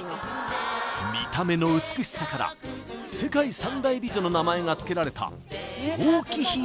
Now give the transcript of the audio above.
見た目の美しさから世界三大美女の名前がつけられた楊貴妃